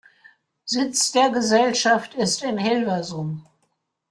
Sitz der Gesellschaft ist in Hilversum.